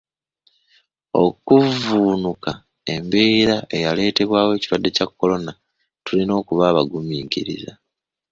Okuvvuunuka embeera eyaleetebwa ekirwadde kya Corona tulina okuba abaguminkiriza.